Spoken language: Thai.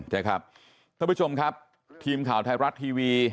ท่านผู้ชมครับทีมข่าวไทยรัฐทีวี